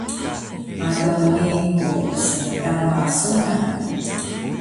ado nii ku smtama sunan